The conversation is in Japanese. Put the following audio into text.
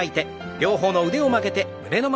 両方の腕を曲げて胸の前。